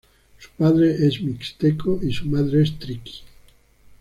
Su padre es mixteco y su madre es triqui.